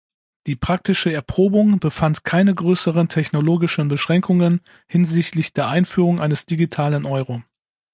Die praktische Erprobung befand keine größeren technologischen Beschränkungen hinsichtlich der Einführung eines digitalen Euro.